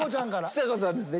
ちさ子さんですね。